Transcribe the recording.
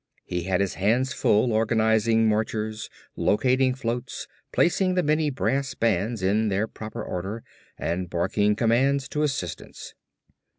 He had his hands full organizing marchers, locating floats, placing the many brass bands in their proper order and barking commands to assistants.